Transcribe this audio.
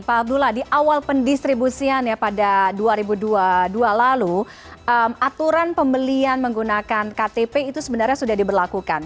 pak abdullah di awal pendistribusian ya pada dua ribu dua puluh dua lalu aturan pembelian menggunakan ktp itu sebenarnya sudah diberlakukan